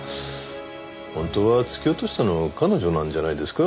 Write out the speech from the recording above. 本当は突き落としたの彼女なんじゃないですか？